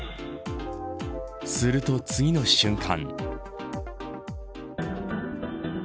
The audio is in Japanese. すると、次の瞬間。